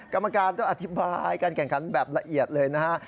กรรมการต้องอธิบายการแข่งขันแบบละเอียดเลยนะฮะ